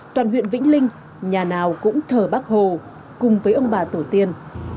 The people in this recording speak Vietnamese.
toàn huyện vĩnh linh nhà nào cũng thờ bác hồ cùng với ông bà tổ tiên